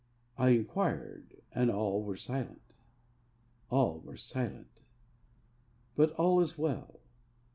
I inquired, and all were silent! All were silent! but all is well.